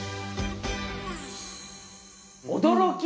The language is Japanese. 驚き！